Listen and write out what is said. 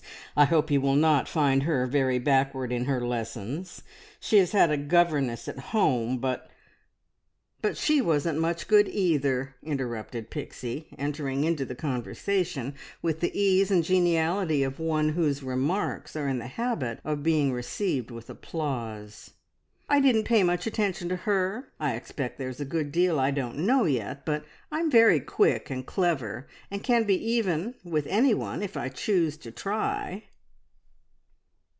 I hope you will not find her very backward in her lessons. She has had a governess at home, but " "But she wasn't much good, either!" interrupted Pixie, entering into the conversation with the ease and geniality of one whose remarks are in the habit of being received with applause. "I didn't pay much attention to her. I expect there's a good deal I don't know yet, but I'm very quick and clever, and can be even with anyone if I choose to try."